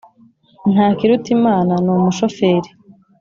ntakirutimana ni umushoferi